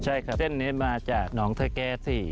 ใช่ครับเส้นนี้มาจากหนองเทอร์แก๊สสิ